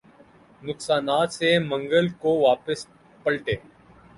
نقصانات سے منگل کو واپس پلٹے